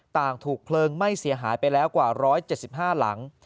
ถูกเพลิงไหม้เสียหายไปแล้วกว่า๑๗๕หลัง